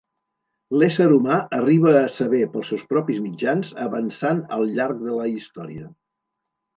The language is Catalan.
L'ésser humà arriba a saber pels seus propis mitjans, avançant al llarg de la història.